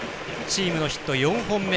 チームのヒット４本目。